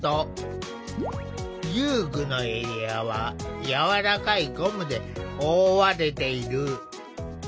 遊具のエリアはやわらかいゴムで覆われている。